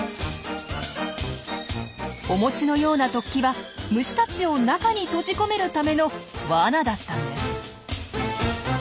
お餅のような突起は虫たちを中に閉じ込めるためのワナだったんです。